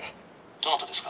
「どなたですか？」